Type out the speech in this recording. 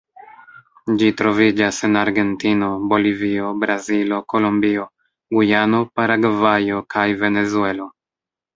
Ĝi troviĝas en Argentino, Bolivio, Brazilo, Kolombio, Gujano, Paragvajo, kaj Venezuelo.